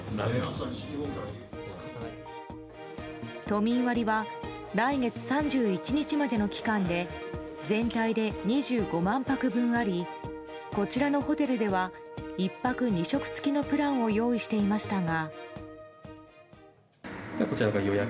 都民割は来月３１日までの期間で全体で２５万泊分ありこちらのホテルでは１泊２食付きのプランを用意していましたが。